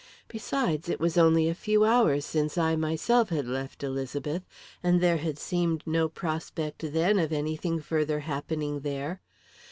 Besides, it was only a few hours since I myself had left Elizabeth, and there had seemed no prospect then of anything further happening there.